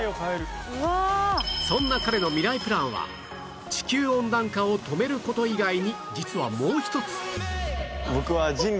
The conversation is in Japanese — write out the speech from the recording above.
そんな彼のミライプランは地球温暖化を止める事以外に実はもう一つ